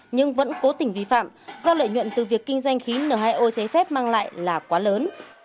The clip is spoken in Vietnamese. nhưng vẫn cố tình vi phạm do lợi nhuận từ việc kinh doanh khí n hai o cháy phép mang lại là quá lớn